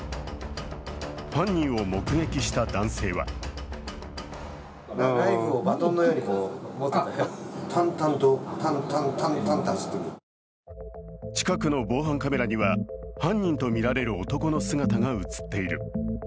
犯人を目撃した男性は近くの防犯カメラには犯人とみられる男の姿が映っている。